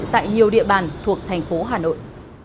tại nhiều địa bàn thuộc thành phố hà nội